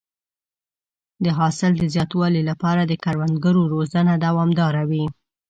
د حاصل د زیاتوالي لپاره د کروندګرو روزنه دوامداره وي.